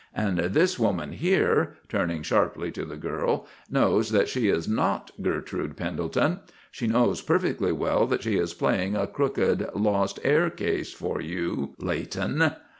And this woman here," turning sharply to the girl, "knows that she is not Gertrude Pendelton. She knows perfectly well that she is playing a crooked 'lost heir' case for you, Leighton."